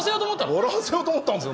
笑わせようと思ったんですよ。